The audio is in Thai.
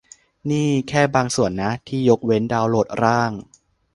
นี่แค่บางส่วนนะ ที่ยกเว้น ดาวน์โหลดร่าง